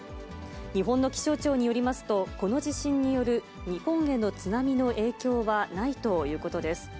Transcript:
日本の気象庁によりますと、この地震による日本への津波の影響はないということです。